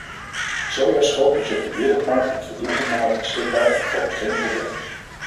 Sojaschroot is op de wereldmarkt in voldoende mate beschikbaar en vormt geen probleem.